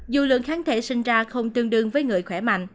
dù lượng kháng thể sinh ra không tương đương với người khỏe mạnh